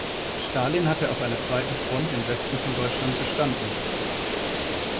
Stalin hatte auf einer zweiten Front im Westen von Deutschland bestanden.